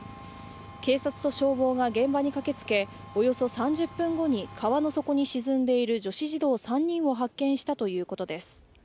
警察と消防が現場に駆けつけおよそ３０分後に川の底に沈んでいる女子児童３人を発見したということです。